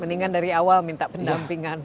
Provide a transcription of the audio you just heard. mendingan dari awal minta pendampingan